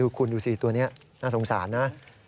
ดูคุณดูซิตัวเนี่ยน่าสงสารนะ